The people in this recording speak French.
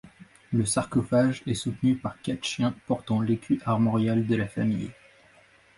Le sarcophage est soutenu par quatre chiens portant l'écu armorial de la famille.